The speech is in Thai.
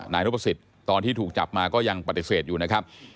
นายนพสิทธิ์ตอนที่ถูกจับมาก็ยังปฏิเสธอยู่นะครับ